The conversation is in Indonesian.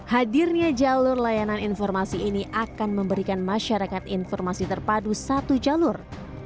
hadirnya jalur layanan informasi ini akan memberikan masyarakat informasi terpadu satu jalur